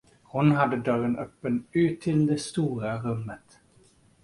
Hon hade dörren öppen ut till det stora rummet.